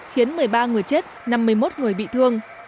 khiến một mươi ba người chết năm mươi một người bị thương